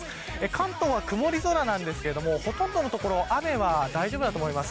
関東は曇り空なんですけどもほとんどの所雨は大丈夫だと思います。